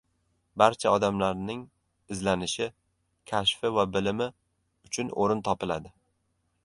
barcha odamlarning izlanishi, kashfi va bilimi uchun o‘rin topiladi.